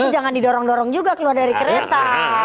jangan didorong dorong juga keluar dari kereta